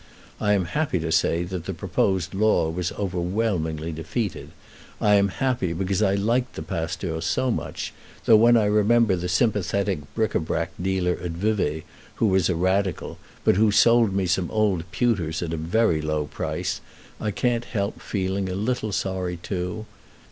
I am happy to say that the proposed law was overwhelmingly defeated; I am happy because I liked the pasteur so much, though when I remember the sympathetic bric à brac dealer at Vevay, who was a radical, but who sold me some old pewters at a very low price, I can't help feeling a little sorry too.